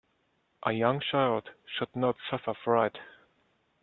A young child should not suffer fright.